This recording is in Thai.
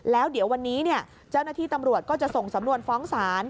แล้วเดี๋ยววันนี้เจ้าหน้าที่ตำรวจก็จะส่งสำนวนฟ้องศาล